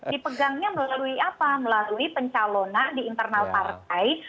dipegangnya melalui apa melalui pencalonan di internal partai